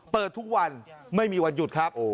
เปิดทุกวันไม่มีวันหยุดครับ